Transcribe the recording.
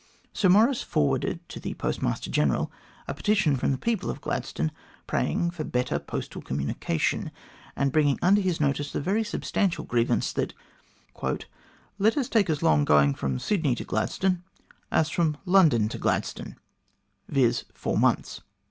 Sir Maurice forwarded to the Post master General a petition from the people of Gladstone, praying for better postal communication, and bringing under his notice the very substantial grievance that "letters take as long going from Sydney to Gladstone as from London to Gladstone, viz. four months."